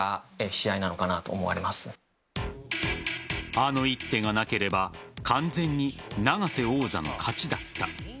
あの一手がなければ完全に永瀬王座の勝ちだった。